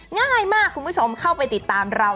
ง่ายมากคุณผู้ชมเข้าไปติดตามเรา